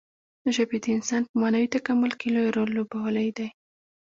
ژبې د انسان په معنوي تکامل کې لوی رول لوبولی دی.